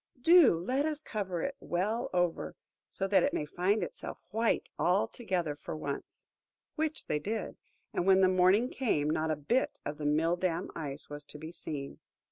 Do let us cover it well over, so that it may find itself white altogether for once!" Which they did; and when the morning came, not a bit of the mill dam Ice was to be seen.